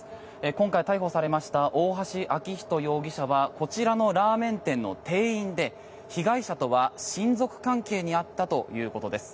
今回逮捕されました大橋昭仁容疑者はこちらのラーメン店の店員で被害者とは親族関係にあったということです。